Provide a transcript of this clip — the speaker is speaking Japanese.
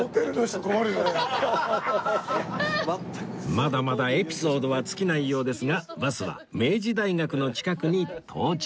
まだまだエピソードは尽きないようですがバスは明治大学の近くに到着